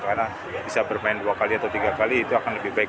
karena bisa bermain dua kali atau tiga kali itu akan lebih baik